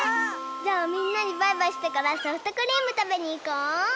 じゃあみんなにバイバイしてからソフトクリームたべにいこう！